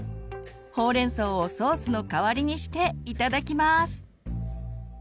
ほうれんそうをソースの代わりにしていただきます。